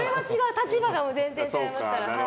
立場が全然違いますから。